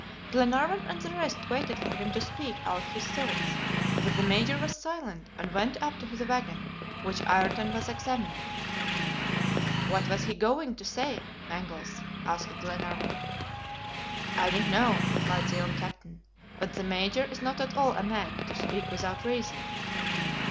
Glenarvan and the rest waited for him to speak out his thoughts, but the Major was silent, and went up to the wagon, which Ayrton was examining. "What was he going to say. Mangles?" asked Glenarvan. "I don't know," replied the young captain; "but the Major is not at all a man to speak without reason."